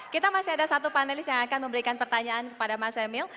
kita masih ada satu panelis yang akan memberikan pertanyaan kepada mas emil